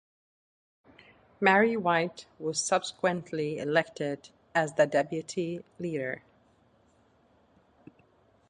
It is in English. Mary White was subsequently elected as the deputy Leader.